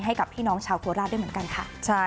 ให้กับพี่น้องชาวโคราชด้วยเหมือนกันค่ะ